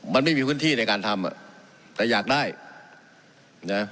มันไม่มีพื้นที่ในการทำอ่ะแต่อยากได้นะ